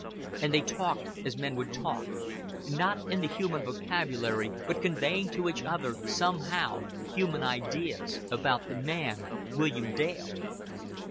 And they talked as men would talk not in the human vocabulary, but conveying to each other, somehow, human ideas about the man William Dale.